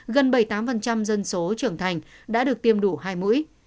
gần bảy mươi tám dân số trưởng thành đã được tiêm đủ hai mũi